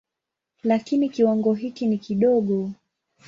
Lakini kiwango hiki ni kidogo.